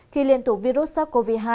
khi liên tục virus sars cov hai